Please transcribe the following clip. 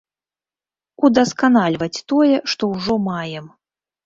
Удасканальваць тое, што ўжо маем.